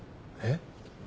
えっ？